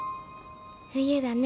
冬だね。